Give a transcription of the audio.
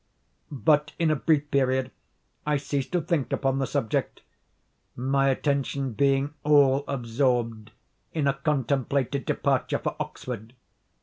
But in a brief period I ceased to think upon the subject; my attention being all absorbed in a contemplated departure for Oxford.